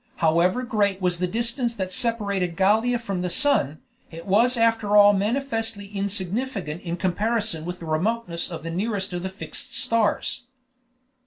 However great was the distance that separated Gallia from the sun, it was after all manifestly insignificant in comparison with the remoteness of the nearest of the fixed stars.